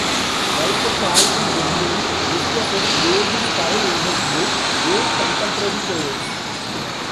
Writer Calvin Bedient discusses Davie's style in his book "Eight Contemporary Poets".